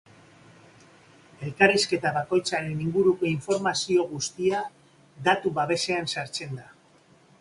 Elkarrizketa bakoitzaren inguruko informazio guztia datu-basean sartzen da.